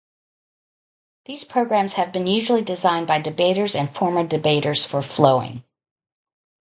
These programs have been usually designed by debaters and former debaters for flowing.